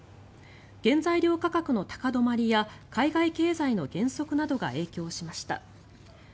原材料価格の高止まりや海外経済の減速などが影響しました。